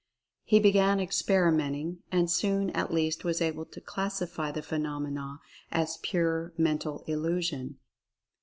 He began experimenting, and soon at least was able to classify the phenomena as pure Mental Illusion.